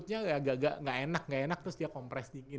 gak sampai cedera dia lututnya gak enak gak enak terus dia compress dingin